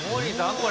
これ」